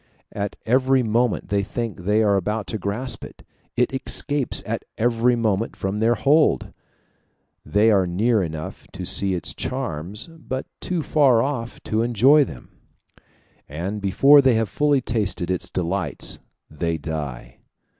At every moment they think they are about to grasp it; it escapes at every moment from their hold. They are near enough to see its charms, but too far off to enjoy them; and before they have fully tasted its delights they die.